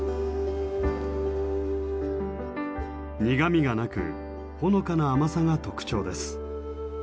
苦みがなくほのかな甘さが特徴です。